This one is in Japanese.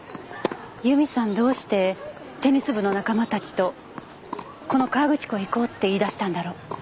由美さんどうしてテニス部の仲間たちとこの河口湖へ行こうって言い出したんだろう？